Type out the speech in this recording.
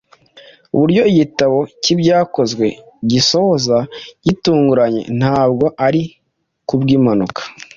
Uburyo igitabo cy’Ibyakozwe gisoza gitunguranye ntabwo ari kubw’impanuka.